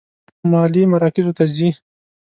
مالي مراکزو ته ځي.